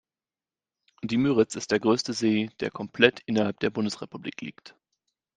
Die Müritz ist der größte See, der komplett innerhalb der Bundesrepublik liegt.